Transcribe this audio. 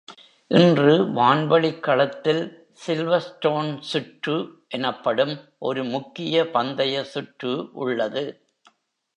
இன்று வான்வெளிக்களத்தில் சில்வர்ஸ்டோன் சுற்று எனப்படும் ஒரு முக்கிய பந்தய சுற்று உள்ளது.